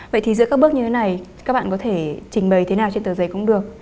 vậy thì giữa các bước như thế này các bạn có thể trình bày thế nào trên tờ giấy cũng được